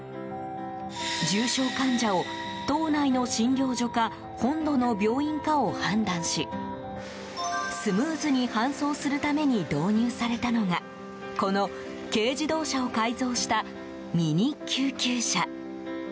重症患者を、島内の診療所か本土の病院かを判断しスムーズに搬送するために導入されたのがこの軽自動車を改造したミニ救急車。